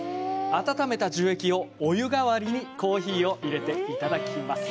温めた樹液をお湯がわりにコーヒーを入れていただきます。